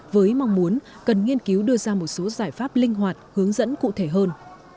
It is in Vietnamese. với mong muốn cần nghiên cứu đưa ra một số giải pháp linh hoạt hướng dẫn cụ thể hơn